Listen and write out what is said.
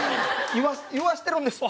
言わしてるんですわ。